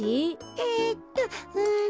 えっとうんと。